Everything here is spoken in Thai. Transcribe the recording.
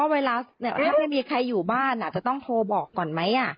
เวลาถ้าไม่มีใครอยู่บ้านจะต้องโทรบอกก่อนไหม